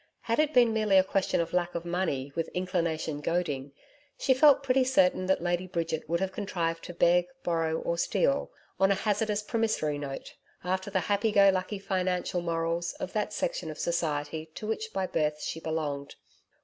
Had it been merely a question of lack of money with inclination goading, she felt pretty certain that Lady Bridget would have contrived to beg, borrow or steal on a hazardous promissory note, after the happy go lucky financial morals of that section of society to which by birth she belonged.